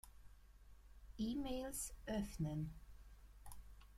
E-Mails öffnen.